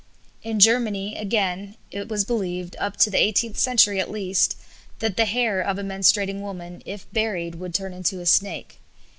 In Germany, again, it was believed, up to the eighteenth century at least, that the hair of a menstruating woman, if buried, would turn into a snake.